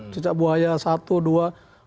cicak buaya satu dua